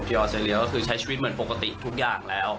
คุณพี่ออดเสียเรียวใช้ชีวิตเหมือนปกติทุกอย่างแล้ว